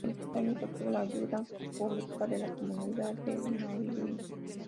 En pocos años, obtuvo la ayuda pública de la comunidad de Nashville.